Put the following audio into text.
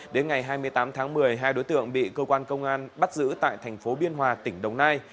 đến ngày hai mươi tám tháng một mươi hai đối tượng bị cơ quan công an bắt giữ tại thành phố biên hòa tỉnh đồng nai